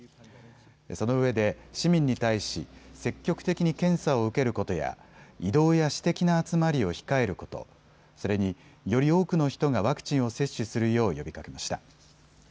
そのうえで市民に対し、積極的に検査を受けることや移動や私的な集まりを控えること、それにより多くの人がワクチンを接種するよう呼びかけました。